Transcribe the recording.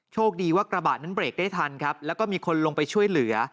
โชคดีว่ากระบะนั้นเบรกได้ทันครับแล้วก็มีคนลงไปช่วยเหลือ